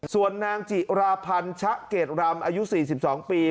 ส่วนนางจิราพันธ์ชะเกดรำอายุ๔๒ปี